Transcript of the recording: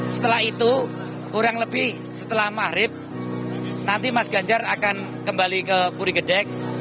setelah itu kurang lebih setelah mahrib nanti mas ganjar akan kembali ke puri gedek